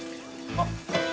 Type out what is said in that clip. あっ。